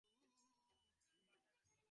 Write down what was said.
ওটি শুধু ভাষায় নয়, সকল শিল্পতেই এল।